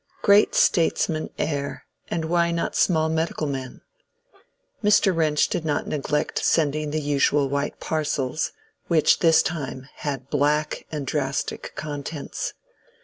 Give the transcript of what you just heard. Great statesmen err, and why not small medical men? Mr. Wrench did not neglect sending the usual white parcels, which this time had black and drastic contents.